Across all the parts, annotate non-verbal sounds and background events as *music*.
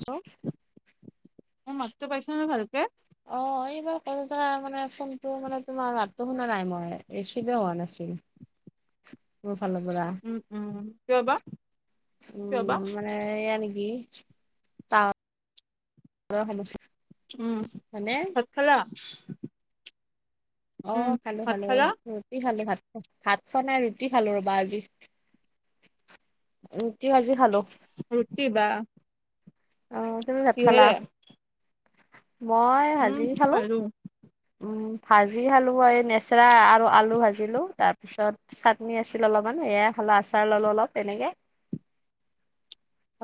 *inaudible* মোৰ মাতটো পাইছা না ভালকে? অ এইবাৰ কৰোতে মানে ফোনটো মানে তোমাৰ মাতটো শুনা নাই মই ৰিচিভে হোৱা নাছিল। মোৰ ফালৰ পৰা। উম উম কিয় বা? উম কিয় বা মানে এয়া নেকি ত সমস্যা। উম হয়নে ভাত খালা? অ উম, খালো ভাত খালো খালা? ৰুটি খালো ভাত। ভাত খোৱা নাই ৰুটি খালো ৰবা আজি ৰুটি ভাজি খালো। ৰুটি বা অ তুমি ভাত খালা? কিহেৰে? মই ভাজি খালো। উম ভাজি খালোঁ এই নেচেৰা আৰু আলু ভাজিলোঁ তাৰপিছত! চাটনি আছিল অলপমান এয়াই খালো আচাৰ ললো অলপ এনেকে।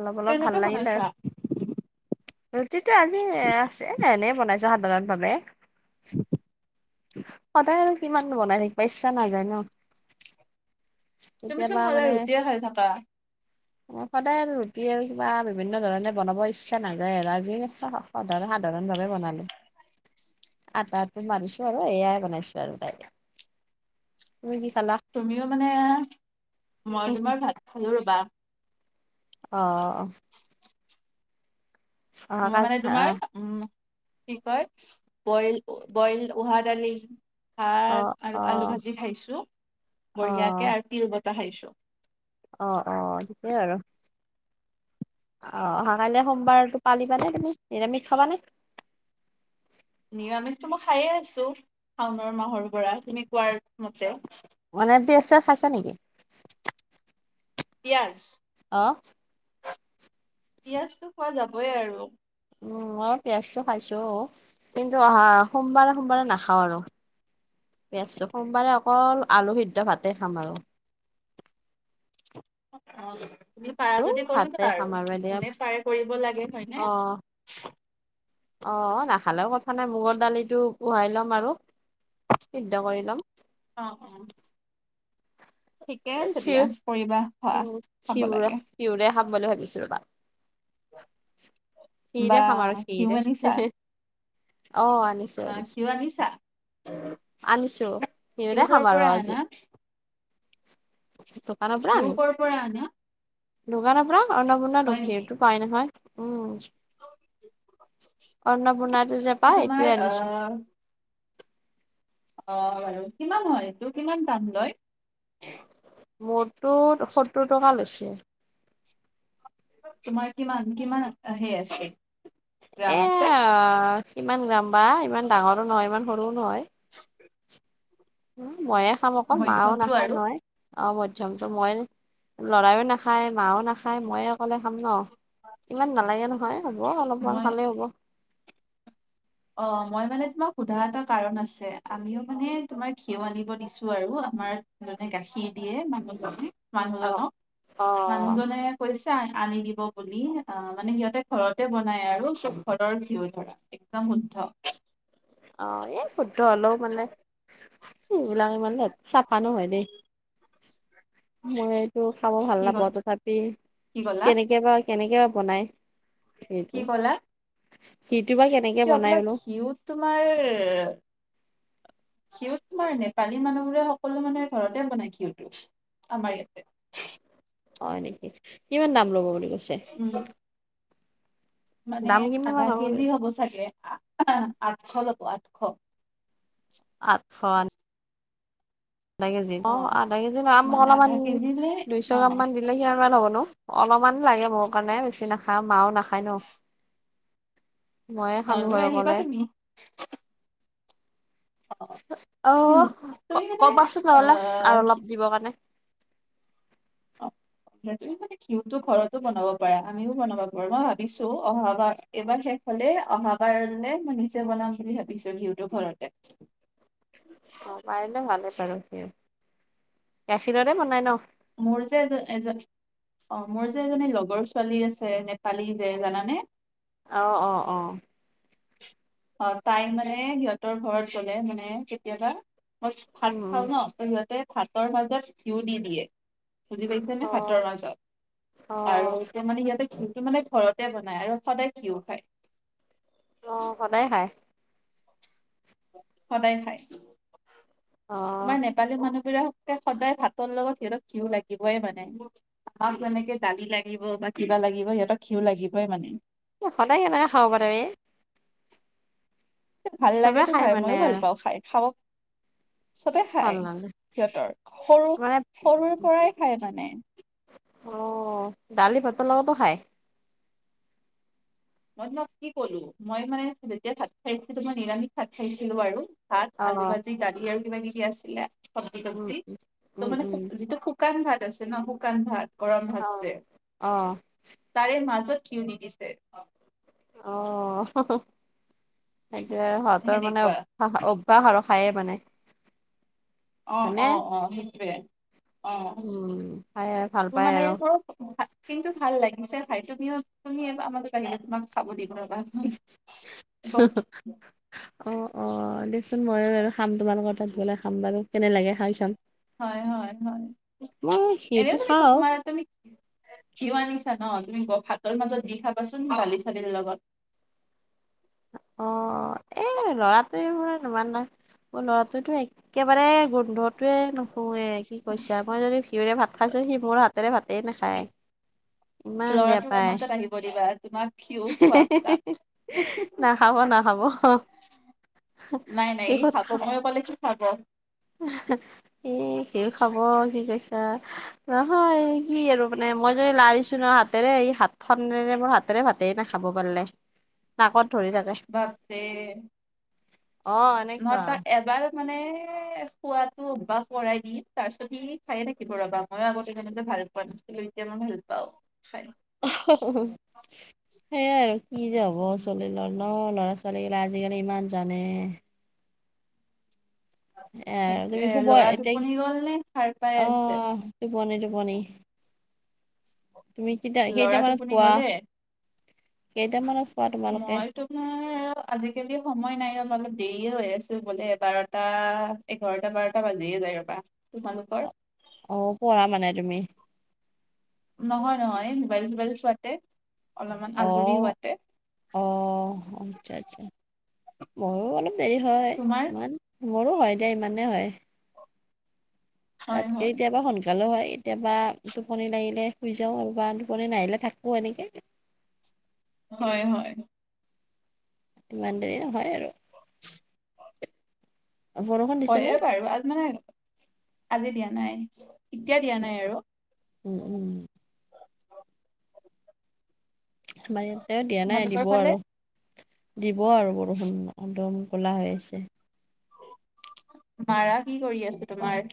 অলপ অলপ ভাল কেনেকে লাগিলে। বনাইছা? ৰুটিটো আজি আছে এনেই বনাইছো সাধাৰণ ভাৱে। *inaudible* সদায় আৰু কিমান বনাই থাকিবা ইচ্ছা নাজায় ন। তুমিচোন কেতিয়াবা সদায় মানে ৰুটিয়ে খাই থাকা। সদায় আৰু ৰুটি আৰু কিবা বিভিন্ন ধৰণে বনাব ইচ্ছা নাযায় আৰু আজি সাধাৰণ ভাৱে। বনালো আটাটো মাৰি। আৰু এয়াই বনাইছো আৰু তাই তুমি কি খালা? তুমিও মানে মই তোমাৰ ভাত খালো ৰবা। অ অ মই অহাকাল মানে তোমাৰ আহ উম কি কয় বইল বইল উহা দালি। অ ভাত আৰু অ আলু ভাজি খাইছো, অ বঢ়িয়াকে আৰু তিল বতা খাইছোঁ। অ অ ঠিকে আৰু। অ অহা কাইলে সোমবাৰটো পালিবানে তুমি নিৰামিখ খাবানে? নিৰামিষটো মই খাইে আছো শাওনৰ মাহৰ পৰা তুমি কোৱাৰ মতে। মানে পিয়াজ চিয়াজ খাইছা নেকি? পিয়াজ? অ। পিয়াজটো খোৱা যাবই আৰু। উম ম পিয়াজটো খাইছো, কিন্তু অহা সোমবাৰে সোমবাৰে নাখাও আৰু। পিঁয়াজটো সোমবাৰে অকল আলু সিদ্ধ ভাতেই খাম আও। অ তুমি পাৰা আৰু যদি ভাতে কৰিবা খাম আৰু এতিয়া যোনে পাৰে কৰিব লাগে হয়নে? অ অ নাখালেও কথা নাই মগৰ দালিটো পোহাই ল'ম আৰু সিদ্ধ কৰি ল'ম। অ অ। ঠিকে আছে খি দিয়া কৰিবা খৱা খাব লাগে। পিউৰে খাম বুলি ভাবিছো ৰবা। ঘি বা ৰে খাম আৰু ঘি ঘিউ আনিছা অ আনিছো। অ আনিছো ঘিউ আনিছা? আনিছো ঘি ঘিউ ৰে কৰ খাম আৰু পৰা আজি। আনা দোকানৰ পৰা ঘিউ আনো, কৰ পৰা আনা দোকানৰ পৰা হয় অৰ্ণপূ! নেকি সেইটো পাই নহয় উম। অন্নপূৰ্ণাটো যে পা তোমাৰ এইটোৱে আনিছো। আহ অ বাৰু কিমান হয় এইটো কিমান দাম লয়? মোৰটো সত্তৰ টকা লৈছে। তোমাৰ কিমান কিমান হেই আছে? এ গ্ৰাম আছে ইমান গ্ৰাম বা ইমান ডাঙৰো নহয় ইমান সৰুও নহয়। *inaudible* উ ময়ে খাম অকল মাও মধ্যমটো নাখায় আৰু নহয়। অ মধ্যমতো মই লৰায়ও নাখায় মাও নাখায়। খাই ময়ে অকলে খাম ন, ইমান নালাগে নহয় হ'ব অলপমান মই খালে হ'ব। অ মই মানে তোমাক সোধা এটা কাৰণ আছে, আমিও মানে তোমাৰ ঘিয়উ আনিব দিছো আৰু আমাৰ! জনে গাখীৰ দিয়ে মানুহজনে অ মানুহজনক অ মানুহজনে! কৈছে আনি দিব বুলি অ মানে সিহঁতে ঘৰতে বনাই আৰু, সব ঘৰৰ ঘিউ থাকে। একদম শুদ্ধ। অ এই শুদ্ধ হলো! *inaudible* মানে সেইবিলাক ইমান চাফা নহয় দেই। মই এইটো খাব ভাল কি নাপাও কল তথাপি কি ক'লা কেনেকে বা! কেনেকে বা বনাই সেইটো কি সিটো বা কে! কি আপোনাৰ ঘিউত তোমাৰ! ঘিউ তোমাৰ নেপালী মানুহবোৰে সকলোৱে মানে ঘৰতে বনায় ঘিউটো। আমাৰ ইয়াতে। হয় নেকি? কিমান দাম ল'ব বুলি কৈছে? উম মানে দাম কিমান আধা মান বুলি কেজি কৈছে? হ'ব চাগে আঠশ ল'ব আঠশ। আঠ শ আধা কেজি অ আধা কেজি নাম মই মানে আধা অলপমান কেজিলে দুইশ অ গ্ৰাম মান দি! *unintelligible* অলপমান লাগে মোৰ কাৰণে বেছি নাখাও মাও নাখায় ন। ময়ে অ খালো লৈ হয় আহিবা অকলে। তুমি অ অ উম তুমি মানে কবাচোন নহ'লে আহ আৰু ঘি- অলপ দিব কাৰণে। অ *inaudible* তুমি মানে ঘিউটো ঘৰতো বনাব পাৰা আমিও বনাব পাৰো মই ভাবিছো অহাবাৰ। এইবাৰ শেষ হলে অহা বাৰলে মই নিজে বনাম বুলি ভাবিছোঁ ঘিউটো ঘৰতে। *inaudible* অ পাৰিলে ভালে আছে আৰু কি গাখীৰতে বনাই ন? মোৰ যে এজ এজন। অ মোৰ যে এজনী লগৰ ছোৱালী আছে নেপালী যে জানানে? অ অ অ অ তাই মানে সিহঁতৰ ঘৰত গলে মানে কেতিয়াবা। মই ভাত উম উম খাওঁ ন সিহঁতে ভাতৰ মাজত ঘিউ দি দিয়ে। বুজি পাইছে নে অ ভাতৰ অ মাজত আৰু তাৰ মানে সিহঁতে। ঘিউটো মানে ঘৰতে বনাই আৰু সদায় ঘিউ খায়। অ সদায় খায়, সদায় খায় অ তাই নাই! নেপালী মানুহবোৰককে সদায় ভাতৰ লগত সিহঁতক ঘিউ লাগিবই মানে। আমাক যেনেকে দালি লাগিব বা কিবা লাগিব সিহঁতক ঘিউ লাগিবই মানে। এ সদায় কেনেকে খাব পাৰে? *unintelligible* ভাল চবে লাগেতো খাই। মানে মইয়ো ভাল পাওঁ খাই। খাব চবে ভাল খায় নালাগে সিহঁতৰ। সৰু মানে সৰুৰ পৰাই খায় মানে। অ, দালি ভাতৰ লগতো খাই। মই তোমাক কি কলো? মই মানে যেতিয়া ভাত খাইছিলো। মই নিৰামিষ ভাত খাইছিলো বাৰু। ভাত, অ আলু ভাজি, দালি আৰু কিবা কিবি আছিলে চবজি উম তব্জি। ত' উম মানে উম শু যিটো শু শুকান ভাত আছে ন? শুকান ভাত, গৰম ভাত অ যে? অ তাৰে মাজত ঘিউ দিদিছে। অ সেইটোৱে। সিহঁতৰ মানে, *unintelligible* অভ্যাস আৰু, খায়ে মানে। অ হয়নে? অ অ। সেইটোৱে। অ। উম, খাই ভাল তোৰ পায় মানে আৰু। তোৰ ভা কিন্তু ভাল লাগিছে। ভাই তুমিও তুমি আমা আহিলে তোমাক খাব দিব। *unintelligible* অ অ দিয়কচোন। মইয়ো বাৰু খাম, তোমালোকৰ তাত গ'লে খাম বাৰু। কেনে লাগে খাই চাম। হয় হয় হয়। মই সেইটো এনেও তুমি খাওঁ। তোমাৰ তুমি ঘিউ আনিছা ন? তুমি ভাতৰ মাজত দি খাবাচোন দালি চালিৰ লগত। অ। এ ল'ৰাটোৱে *unintelligible* ল'ৰাটোতো একে মানে গোন্ধটোৱে নুশুৱে কি কৈছা। মই যদি ঘিউৰে ভাত খাইছো, সি মোৰ হাতেৰে ভাতে নাখায়। ইমান বেয়া ল'ৰাটোক পায় আমাৰ তাত আহিব দিবা। তোমাক ঘিউ খুৱাম তাক নাখাব নাখাব। নাই নাই ই খাব, মই কলে সি খাব। সি ঘিউ খাব কি কৈছা। নহয় কি আৰু মানে মই য লাৰিছো ন হাতেৰে, এই হাত খনেৰে মোৰ হাত হাতেৰে ভাতেই নাখাব পাৰিলে। নাকত ধৰি থাকে। বাপৰে। অ মই এনেকুৱা তাত এবাৰ মানে খোৱাতো। ভৰাই দি। তাৰ পিছত সি খাইয়ে থাকিব ৰবা। মইয়ো আগতে তেনেকে ভাল পোৱা নাছিলো। এতিয়া মই ভাল পাওঁ। হয়। *unintelligible* সেইয়াই আৰু কি যে হ'ব *unintelligible* ন। লৰা ছোৱালীগিলা আজিকালি ইমান জানে। এ তুমি সেইটোয়ে শুবই ল'ৰা এতিয়া টোপনি গ'ল নে সাৰ পাই আছে অহ টোপনি টোপনি। তুমি কিটা ল'ৰা কেইটামানত টোপনি শুৱা গ'লে কেইটামানত শুৱা তোমালোকে? মই তোমাৰ আৰু আজিকালি সময় নাই ৰ। অলপ দেৰিয়ে হৈ আছে শুবলে, বাৰটা এ এঘাৰটা বাৰটা বাজিয়ে যায় ৰবা। তোমালোকৰ? অ, পঢ়া মানে তুমি? নহয় নহয়। মোবাইল চোবাইল চোৱাতে অলপমান অ আজৰি হোৱাতে। অ, আচ্ছা আচ্ছা। মইয়ো অলপ দেৰি হয়। তোমাৰ ইমান মোৰো হয় দে। ইমানে হয়। হয় তাতকে হয় এতিয়াবা সোনকালো হয়। কেতিয়াবা টোপনি লাগিলে শুই যাওঁ আৰু বা টোপনি নাহিলে থাকোঁ এনেকে। হয় হয়। ইমান দেৰি নহয় আৰু। বৰষুণ দিছেনে হয়ে বাৰু। *unintelligible* আজি দিয়া নাই। এতিয়া দিয়া উম নাই উম। আৰু উম উম। আমাৰ ইয়াতে দিয়া নাই তোমালোকৰ দিব ফালে আৰু। দিব আৰু বৰষুণ একদম ক'লা হৈ আছে। মাৰা কি কৰি আছে তোমাৰ?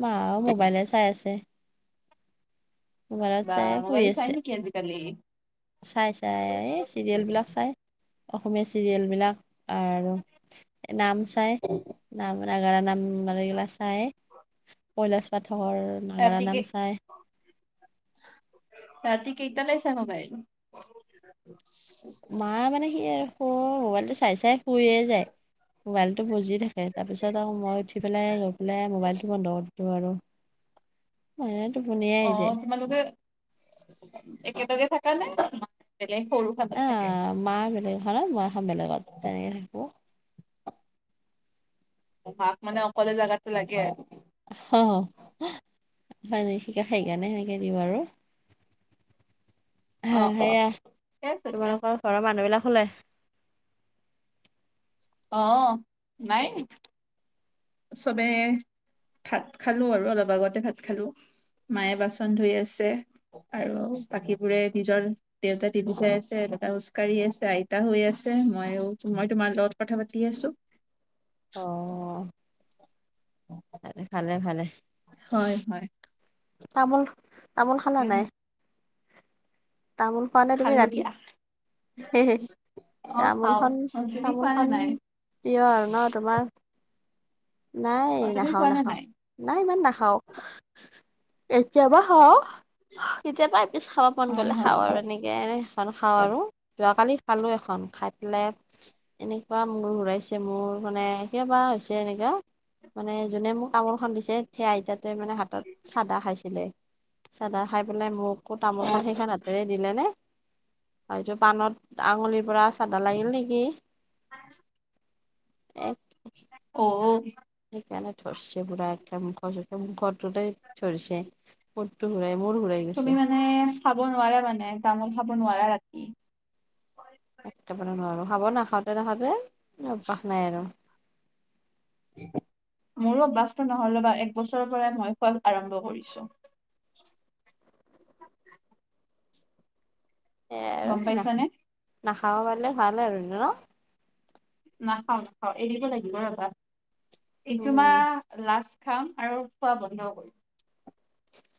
মা মোবাইলে চাই আছেমোবাইলত চাই শুই আছে। কি আজিকালি চাই চাই এ চিৰিয়েল বিলাক চাই চাই অসমীয়া চিৰিয়েল বিলাক আৰু নাম চাই। নাম নাগাৰা নাম মানুগিলা চাই কৈলাশ পাঠকৰ। নাগাৰা ৰাতি নাম কি? চাই ৰাতি কেইটালে চা মবাইল? মা মানে সি হো মোবাইল টো চাই চাই শুইয়ে যায় মোবাইলটো বজি! থাকেতা পিছত আও মই উঠি পেলাই গৈ পেলাই মোবাইলটো বন্ধ কৰি দিওঁ আৰু। মইও টোপনিয়ে অ আহি যায়। তোমালোকে একেলগে থাকা নে? বেলেগ সৰু খনত আ থাকে মা বেলেগ ঘৰত মই এখন বেলেগত তেনেকে থাকোঁ। তোমাক মানে অকলে জাগাতো লাগে আৰু। অ হয় নি শিখাক সেইকাৰণে সেনেকে দিওঁ আৰু। অ হা সেয়া ঠিকে আছে দিয়া তোমালোকৰ ঘৰৰ মানুহ বিলাক হুলে? অ নাই চবে ভাত খালো আৰু অলপ আগতে ভাত খালো। মায়ে বাচন ধুই আছে আৰু বাকীবোৰে নিজৰ! দেউতা টিভি চাই আছে, দেউতা খোচকাঢ়ি আছে, আইতা শুই আছে, মইও মই তোমাৰ লগত কথা পাতি আছো। *inaudible* *inaudible* ভাল ভালে ভালে। হয় হয়। তামোল তামোল খালা নাই? তামোল? হোৱা নাই তুমি খালো ৰাতি? দিয়া অ তামোল খাও খন অ তুমি তামোল খোৱা নে খন নাই প্ৰিয় আৰু ন তোমাৰ? নাই অ তুমি নাখাও খোৱা নে নাখাও নাই নাই ইমান নাখাও। কেতিয়াবা খাও কেতিয়াবা এপিছ খাব মন হয় গলে হয় খাও আৰু এনেই। সেয়াই এখন খাওঁ আৰু যোৱাকালি খালো এখন খাই পেলাই। এনেকুৱা মোৰ ঘূৰাইছে মোৰ মানে কিয়বা হৈছে এনেকা? মানে যোনে মোক তামোল খন দিছে সেই আইতাতোৱে মানে হাতত! ছিলে। চাহ তা খাই পেলাই মোকো তামোল খন সেইখনত! তেৰে দিলে নে? এইটো পাণত আঙুলিৰ ব্ৰাছ। চাদা লাগিল নেকি? এ অ সেইকাৰণে ধৰিছে পুৰা একখৰ মুখটোতে ধৰিছে। মোৰটো ঘূৰাই মোৰ ঘূৰাই। গৈছে তুমি মানে খাব নোৱাৰা মানে তামোল খাব নোৱাৰা ৰাতি। একেবাৰে নোৱাৰো খাব নাখাওঁতে নাখাওঁতে অভ্যাস নাই আৰু! মোৰো অভ্যাসটো নহলে 'বা এক বছৰৰ পৰাই মই খোৱা আৰম্ভ কৰিছো। সেয়াই আৰু গম না পাইছা নে? নাখাব পাৰিলে ভাল আৰু ন। নাখাওঁ- নাখাওঁ এৰিব লাগিব ৰ'বা। এইটো উম মাহ লাষ্ট খাম আৰু খোৱা বন্ধ কৰিম।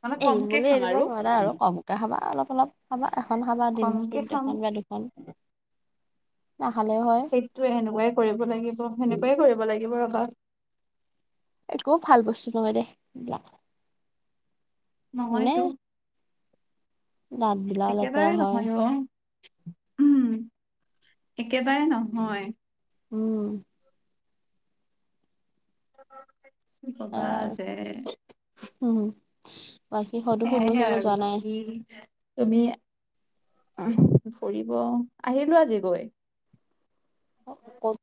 মানে এৰিম কমকে বুলি খাম এৰিব নোৱাৰা আৰু কমকৈ খাবা, অলপ- অলপ খাবা, এখন খাবা কমকে দিনটোত খাম এখন বা দুখন। নাখালেও হয়। সেইটোৱে সেনেকুৱাই কৰিব লাগিব, সেনেকুৱাই কৰিব লাগিব ৰ'বা। একো ভাল বস্তু নহয় দে এইবিলাক। নহয় মানে টো। দাঁত বিলাকও লেতেৰা একেবাৰে হয় নহয় অ। উম, একেবাৰে নহয়। উম। কি কবা যে। উম, বাকী ক'ততো ফুৰিব- সুৰিব যোৱা নাই? উম। তুমি অহ, ফুৰিব, আহিলো আজি গৈ। ক'ত?